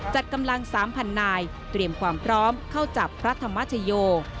จัดกำลัง๓๐๐นายเตรียมความพร้อมเข้าจับพระธรรมชโย